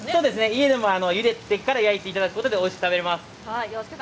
家でもゆでてから焼いていただくことでおいしく食べられます。